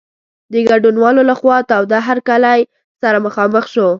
د ګډونوالو له خوا تاوده هرکلی سره مخامخ شو.